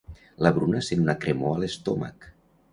La Bruna sent una cremor a l'estómac.